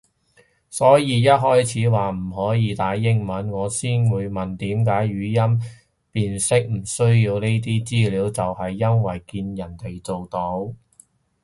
所以一開始話唔可以打英文，我先會問點解語音辨識唔需要呢啲資料就係因為見人哋做到